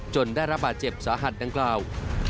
ได้รับบาดเจ็บสาหัสดังกล่าว